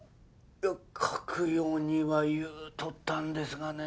いや書くようには言うとったんですがね。